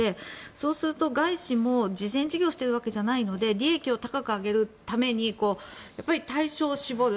そうすると、外資も慈善事業しているわけじゃないので利益を高く上げるためにやっぱり対象を絞る。